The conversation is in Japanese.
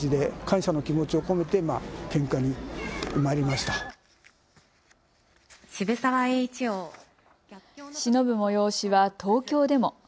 しのぶ催しは東京でも。